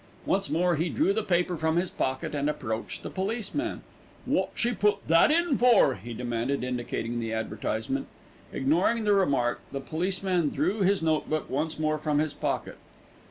Once more he drew the paper from his pocket and approached the policeman. "Wot she put that in for?" he demanded, indicating the advertisement. Ignoring the remark, the policeman drew his notebook once more from his pocket.